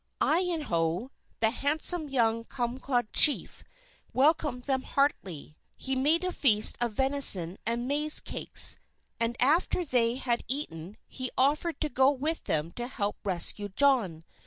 Iyanough, the handsome young Cummaquid Chief, welcomed them heartily. He made a feast of venison and maize cakes. And after they had eaten, he offered to go with them to help rescue John.